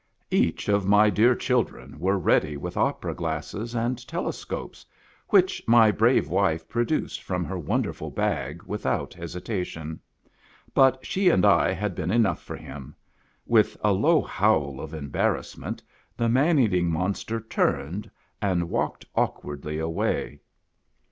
Each of my dear children were ready with opera glasses and telescopes, which my brave wife produced from her wonderful bag without hesitation. But she and I had been enough for him. With a low howl of embarrassment the man eating monster turned, and walked awkwardly away.